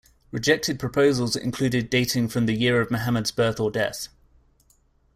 Rejected proposals included dating from the year of Muhammad's birth or death.